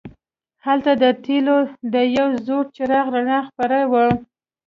هلته د تیلو د یو زوړ څراغ رڼا خپره وه.